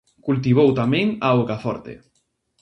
Cultivou tamén a augaforte.